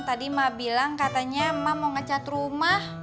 tadi emang bilang katanya emang mau ngecat rumah